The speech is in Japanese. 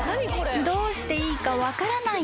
［どうしていいか分からない猫］